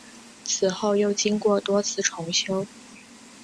以后又经过多次重修。